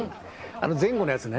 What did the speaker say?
あの前後のやつね。